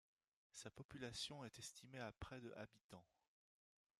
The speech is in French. Sa population est estimée à près de habitants.